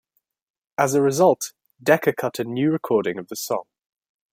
As a result, Decca cut a new recording of the song.